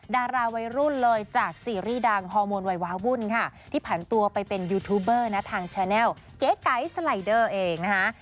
ดาราวัยรุ่นเลยจากซีรีส์ดังฮอร์โมนวัยว้าวุ่นค่ะที่ผันตัวไปเป็นยูทูบเบอร์นะทางแชเนลเก๋ไก๋สไลเดอร์เองนะคะ